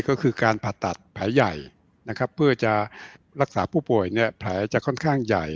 ก็คือการผ่าตัดแผลใหญ่นะครับเพื่อจะรักษาผู้ป่วยเนี่ยแผลจะค่อนข้างใหญ่